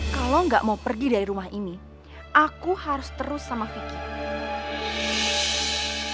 kalau nggak mau pergi dari rumah ini aku harus terus sama vicky